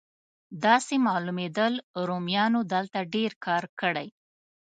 داسې معلومېدل رومیانو دلته ډېر کار کړی.